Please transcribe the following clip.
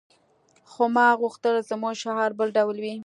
خو ما غوښتل زموږ شعار بل ډول وي